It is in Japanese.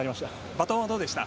バトンはどうでした？